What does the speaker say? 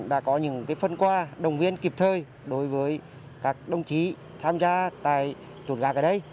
đã có những phân qua đồng viên kịp thời đối với các đồng chí tham gia tai trột gạt ở đây